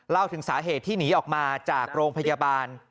เล่าถึงสาเหตุที่หนีออกมาจากโรงพยาบาล